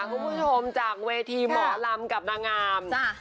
คุณผู้ชมจากเวทีหมอลำกับนางงาม